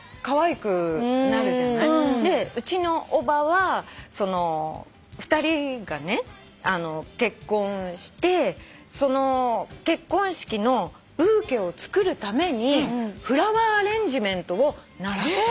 うちのおばはその２人が結婚して結婚式のブーケをつくるためにフラワーアレンジメントを習ったの。